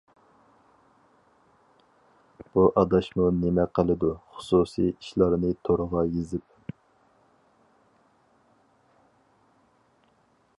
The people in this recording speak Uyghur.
بۇ ئاداشمۇ نېمە قىلىدۇ خۇسۇسىي ئىشلارنى تورغا يېزىپ.